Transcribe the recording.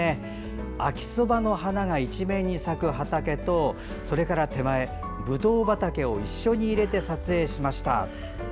秋そばの花が一面に咲く畑とぶどう畑を一緒に入れて撮影しました。